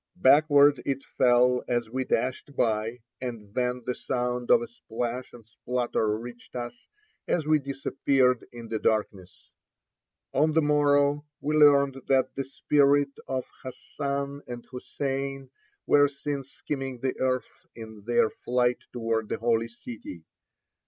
Backward it fell as we dashed by, and then the sound of a splash and splutter reached us as we disappeared in the darkness. On the morrow we learned that the spirits of Hassan and Hussein were seen skimming the earth in their flight toward the Holy City.